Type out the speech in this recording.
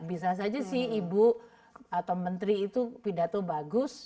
bisa saja sih ibu atau menteri itu pidato bagus